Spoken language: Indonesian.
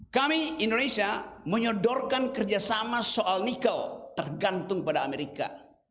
kami indonesia menyodorkan kerjasama soal nikel tergantung pada amerika